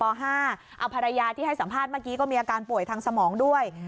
เอาภรรยาที่ให้สัมภาษณ์เมื่อกี้ก็มีอาการป่วยทางสมองด้วย